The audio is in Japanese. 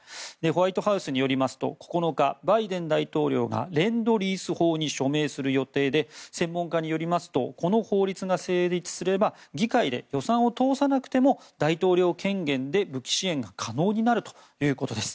ホワイトハウスによりますと９日、バイデン大統領がレンドリース法に署名する予定で専門家によりますとこの法律が成立すれば議会で予算を通さなくても大統領権限で武器支援が可能になるということです。